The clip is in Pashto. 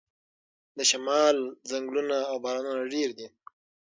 د شمال ځنګلونه او بارانونه ډیر دي.